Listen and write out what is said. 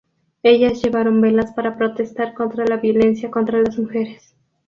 Ellas llevaron velas para protestar contra la violencia contra mujeres.